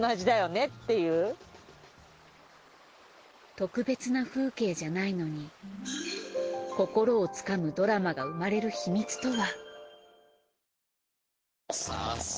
特別な風景じゃないのに心をつかむドラマが生まれる秘密とは。